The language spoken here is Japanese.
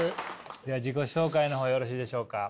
では自己紹介の方よろしいでしょうか？